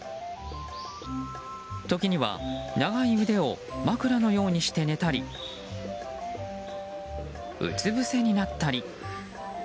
時には長い腕を枕のようにして寝たりうつぶせになったり。